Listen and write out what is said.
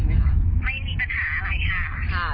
ไม่มีปัญหาอะไรค่ะ